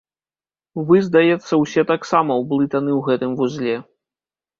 Вы, здаецца, усе таксама ўблытаны ў гэтым вузле.